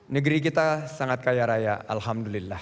negeri kita sangat kaya raya alhamdulillah